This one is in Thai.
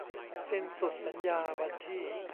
สิ้นสุดสัญญาวันที่